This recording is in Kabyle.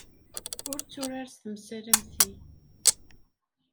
Ur tturar s temsal am ti.